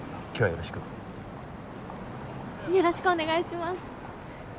よろしくお願いします。